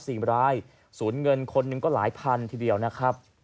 สี่รายศูนย์เงินคนหนึ่งก็หลายพันทีเดียวนะครับ